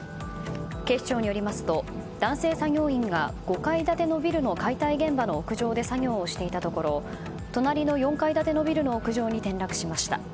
警視庁によりますと男子作業員が５階建てのビルの解体現場の屋上で作業をしていたところ隣の４階建てのビルの屋上に転落しました。